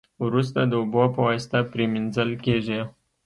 وروسته د اوبو په واسطه پری مینځل کیږي.